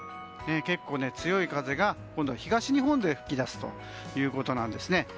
結構強い風が今度は東日本で吹き出すということなんですね。